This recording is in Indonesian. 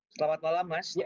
selamat malam mas